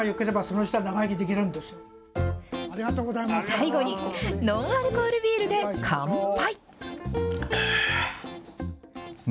最後にノンアルコールビールで乾杯。